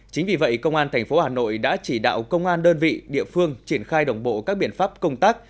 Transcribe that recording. chính vì vậy công an tp hà nội đã chỉ đạo công an đơn vị địa phương triển khai đồng bộ các biện pháp công tác